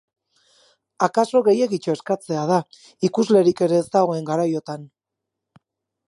Akaso gehiegitxo eskatzea da, ikuslerik ere ez dagoen garaiotan.